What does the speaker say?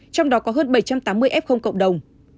trong đó có hơn bảy trăm tám mươi f cộng đồng